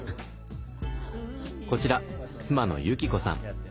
こちら妻の由紀子さん。